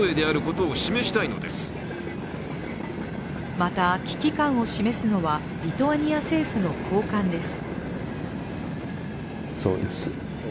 また、危機感を示すのはリトアニア政府の高官です。